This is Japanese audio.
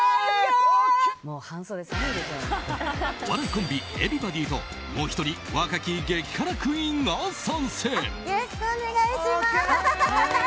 お笑いコンビＥｖｅｒｂｏｄｙともう１人若き激辛クイーンが参戦！